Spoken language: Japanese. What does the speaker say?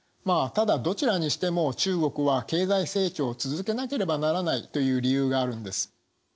まあただどちらにしても中国は経済成長を続けなければならないという理由があるんです。